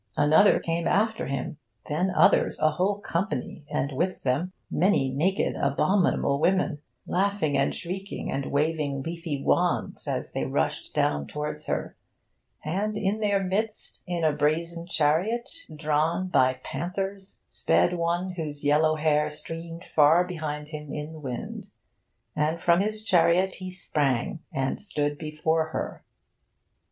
Another came after him. Then others, a whole company, and with them many naked, abominable women, laughing and shrieking and waving leafy wands, as they rushed down towards her. And in their midst, in a brazen chariot drawn by panthers, sped one whose yellow hair streamed far behind him in the wind. And from his chariot he sprang and stood before her.